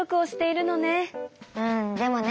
うんでもね